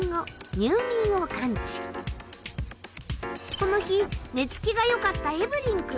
この日寝付きがよかったエブリン君。